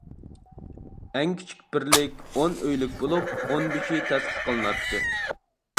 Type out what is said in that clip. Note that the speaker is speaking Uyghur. ئەڭ كىچىك بىرلىك ئون ئۆيلۈك بولۇپ، ئونبېشى تەسىس قىلىناتتى.